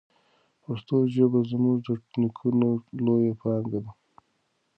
پښتو ژبه زموږ د نیکونو لویه پانګه ده.